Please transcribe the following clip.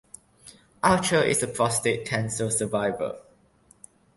Archer is a prostate cancer survivor.